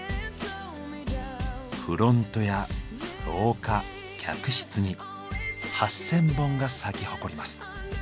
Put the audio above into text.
フロントや廊下客室に８０００本が咲き誇ります。